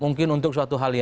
mungkin untuk suatu hal yang